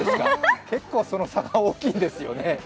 結構その差が大きいんですよね。